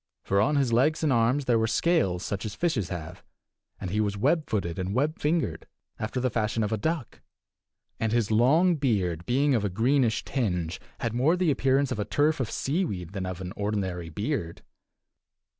For on his legs and arms there were scales such as fishes have; he was web footed and web fingered, after the fashion of a duck; and his long beard, being of a greenish tinge, had more the appearance of a turf of seaweed than of an ordinary beard.